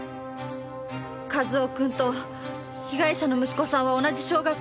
和夫君と被害者の息子さんは同じ小学校に通っている。